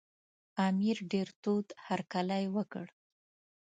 امیر ډېر تود هرکلی وکړ.